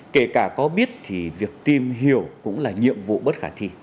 kể cả có biết thì việc tìm hiểu cũng là nhiệm vụ bất khả thi